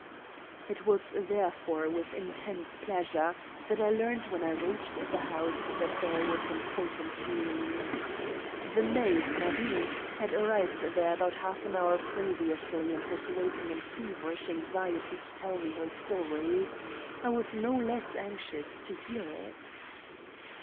It was therefore with intense pleasure that I learned when I reached the house that there was important news. The maid, Marie, had arrived there about half an hour previously, and was waiting in feverish anxiety to tell me her story. I was no less anxious to hear it.